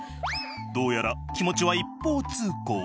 どうやら気持ちは一方通行。